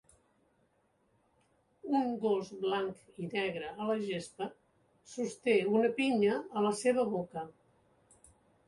Un gos blanc i negre a la gespa sosté una pinya a la seva boca.